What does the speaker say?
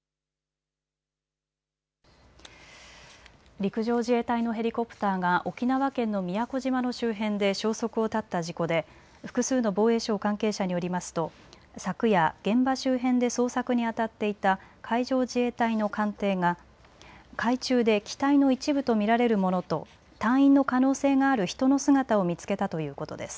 陸上自衛隊のヘリコプターが沖縄県の宮古島の周辺で消息を絶った事故で複数の防衛省関係者によりますと昨夜、現場周辺で捜索にあたっていた海上自衛隊の艦艇が海中で機体の一部と見られるものと隊員の可能性がある人の姿を見つけたということです。